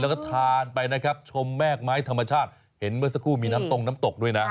แล้วก็ทานไปนะครับชมแม่กไม้ธรรมชาติเห็นเมื่อสักครู่มีน้ำตรงน้ำตกด้วยนะ